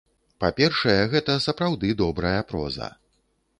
Па-першае, гэта сапраўды добрая проза.